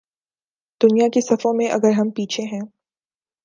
دنیا کی صفوں میں اگر ہم پیچھے ہیں۔